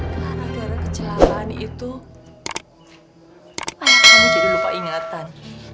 gara gara kecelakaan itu ayah kamu jadi lupa ingatan